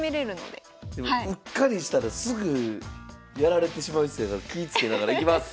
でもうっかりしたらすぐやられてしまいそうやから気いつけながらいきます！